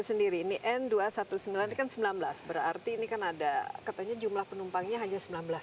jadi n dua ratus sembilan belas ini kan sembilan belas berarti ini kan ada katanya jumlah penumpangnya hanya sembilan belas